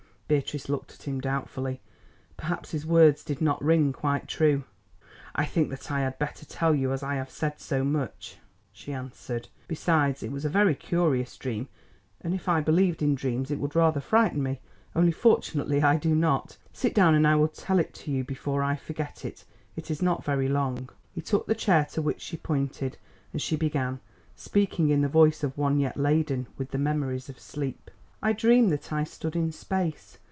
Beatrice looked at him doubtfully; perhaps his words did not ring quite true. "I think that I had better tell you as I have said so much," she answered. "Besides, it was a very curious dream, and if I believed in dreams it would rather frighten me, only fortunately I do not. Sit down and I will tell it to you before I forget it. It is not very long." He took the chair to which she pointed, and she began, speaking in the voice of one yet laden with the memories of sleep. "I dreamed that I stood in space.